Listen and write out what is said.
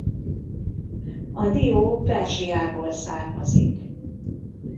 A dió Perzsiából származik.